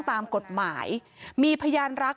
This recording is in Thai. ตามกฎหมายมีพยานรัก